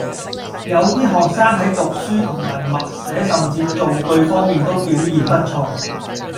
有啲學生喺讀書同埋默寫甚至造句方面都表現不錯